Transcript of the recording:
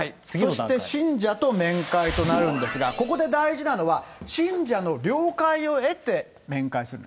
そして信者と面会となるんですが、ここで大事なのは、信者の了解を得て面会する。